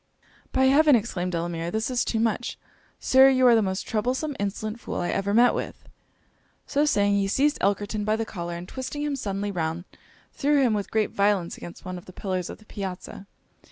'By heaven!' exclaimed Delamere, 'this is too much! Sir, you are the most troublesome, insolent fool, I ever met with!' So saying, he seized Elkerton by the collar, and twisting him suddenly round, threw him with great violence against one of the pillars of the piazza.